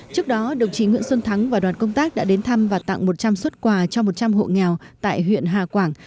trước đó đồng chí nguyễn xuân thắng và đoàn công tác đã đến thăm và tặng một trăm linh xuất quà cho một trăm linh hộ nghèo tại huyện hà quảng